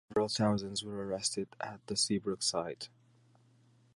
Several thousands were arrested at the Seabrook site.